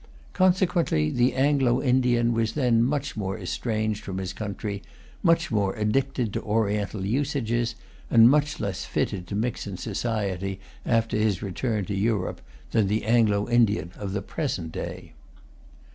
Consequently, the Anglo Indian was then much more estranged from his country, much more addicted to Oriental usages, and much less fitted to mix in society after his return to Europe, than the Anglo Indian of the present day.